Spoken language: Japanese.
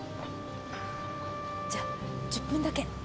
じゃあ１０分だけ。